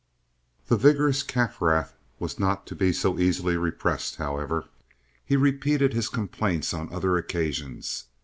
The vigorous Kaffrath was not to be so easily repressed, however. He repeated his complaints on other occasions.